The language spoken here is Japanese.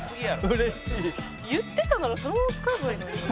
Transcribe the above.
「嬉しい」「言ってたならそのまま使えばいいのに」